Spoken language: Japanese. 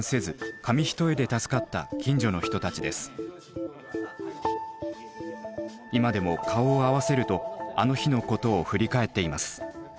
今でも顔を合わせるとあの日のことを振り返っています。